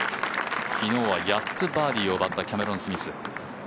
昨日は８つバーディーを奪ったキャメロン・スミス。